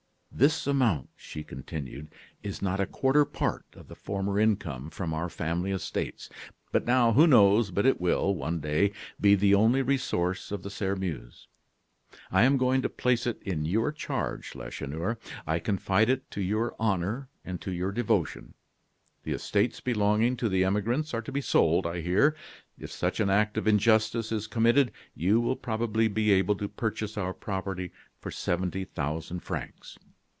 "'This amount,' she continued, 'is not a quarter part of the former income from our family estates. But now, who knows but it will, one day, be the only resource of the Sairmeuse? I am going to place it in your charge, Lacheneur. I confide it to your honor and to your devotion. The estates belonging to the emigrants are to be sold, I hear. If such an act of injustice is committed, you will probably be able to purchase our property for seventy thousand francs.